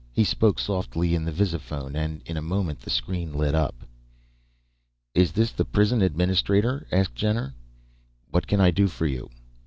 He spoke softly into the visiphone and in a moment the screen lit up. "Is this the prison administrator?" asked Jenner. "What can I do for you?"